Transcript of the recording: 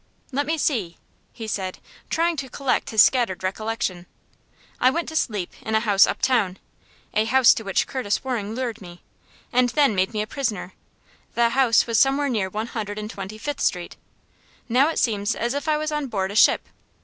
"Let me see," he said, trying to collect his scattered recollection. "I went to sleep in a house uptown a house to which Curtis Waring lured me, and then made me a prisoner. The house was somewhere near One Hundred and Twenty fifth Street. Now it seems as if I was on board a ship.